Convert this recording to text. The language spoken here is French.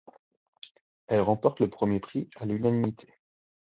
Elle remporte le premier prix à l’unanimité.